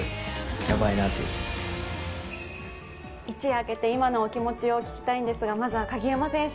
一夜明けて今のお気持ちを伺いたいんですが。